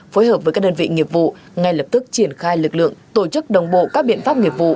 phối hợp với các đơn vị nghiệp vụ ngay lập tức triển khai lực lượng tổ chức đồng bộ các biện pháp nghiệp vụ